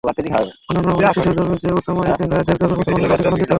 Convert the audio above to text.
অন্যান্য নবজাত শিশুর জন্মের চেয়ে উসামা ইবনে যায়েদের জন্মে মুসলমানগণ অধিক আনন্দিত হলেন।